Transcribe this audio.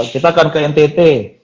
kita akan ke ntt